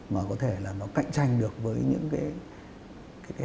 mà có thể là nó cạnh tranh được với những cái